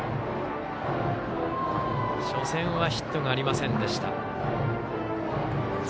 初戦はヒットがありませんでした。